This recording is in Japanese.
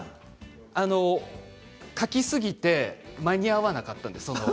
描きすぎて間に合わなかったんです